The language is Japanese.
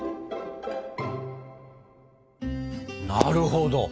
なるほど。